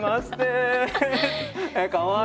かわいい！